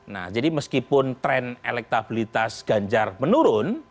nah jadi meskipun tren elektabilitas ganjar menurun